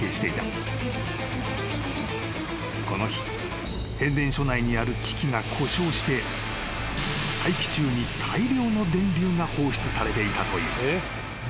［この日変電所内にある機器が故障して大気中に大量の電流が放出されていたという］